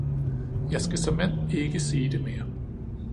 Jeg skal såmænd ikke sige det mere!